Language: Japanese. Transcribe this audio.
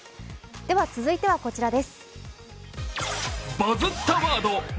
続いてはこちらです。